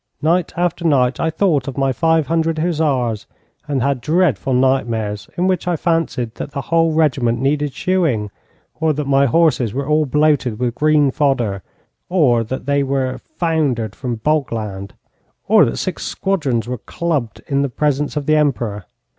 Night after night I thought of my five hundred hussars, and had dreadful nightmares, in which I fancied that the whole regiment needed shoeing, or that my horses were all bloated with green fodder, or that they were foundered from bogland, or that six squadrons were clubbed in the presence of the Emperor.